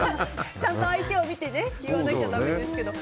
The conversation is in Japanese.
ちゃんと相手を見て言わなきゃだめですけどね。